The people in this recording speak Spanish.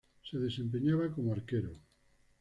Se desempeñaba como arquero.